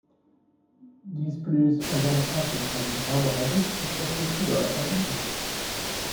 These produce organic acids when carbohydrates, especially sugar, are eaten.